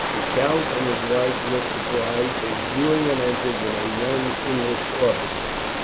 The count and his wife looked surprised as Julian entered with a young English officer.